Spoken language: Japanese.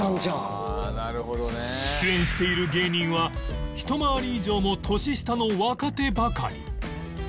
出演している芸人は一回り以上も年下の若手ばかり